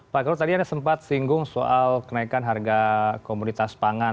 pak koirul tadi ada sempat singgung soal kenaikan harga komunitas pangan